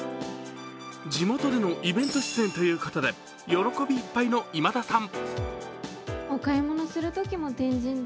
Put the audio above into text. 地元でのイベント出演ということで喜びいっぱいの今田さん。